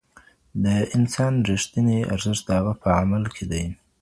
د انسان رښتينی ارزښت د هغه په عمل کي دی.